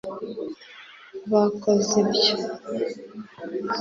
bakoze ibyo